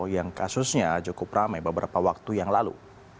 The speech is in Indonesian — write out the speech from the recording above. yang kasusnya cukup rame beberapa waktu yang lalu